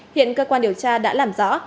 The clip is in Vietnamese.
hiện cơ quan điều tra đã làm rõ